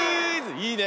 いいね。